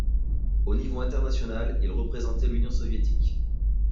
Au niveau international, il représentait l'Union soviétique.